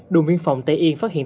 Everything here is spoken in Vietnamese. đồn biên phòng tây yên phát hiện